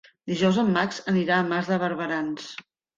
Dijous en Max anirà a Mas de Barberans.